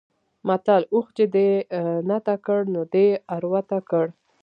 متل: اوښ چې دې نته کړ؛ نو دی عورته کړ.